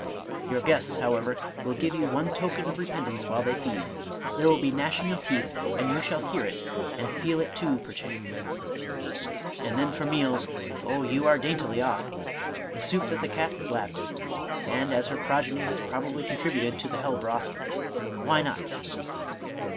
Your guests, however, will give you one token of repentance while they feed ; there will be gnashing of teeth, and you shall hear it, and feel it too perchance! — ^And then for meals — Oh you are daintily off! — The soup that the cat has lapped; and (as her progeny has probably contributed to the hell broth) why not?